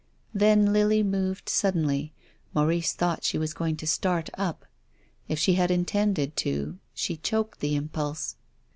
Then Lily moved suddenly. Maurice thought she was going to start up. If she had intended to she choked the impulse.